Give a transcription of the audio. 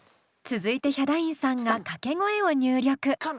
続いてヒャダインさんが掛け声を入力。